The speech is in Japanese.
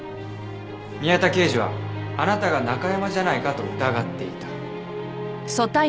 宮田刑事はあなたがナカヤマじゃないかと疑っていた。